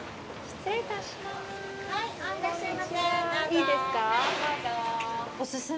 失礼いたしまーす。